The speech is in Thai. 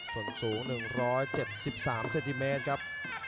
ส่วนสูง๑๗๓เซนติเมตรครับ